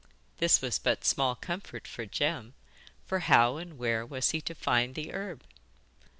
This was but small comfort for Jem, for how and where was he to find the herb?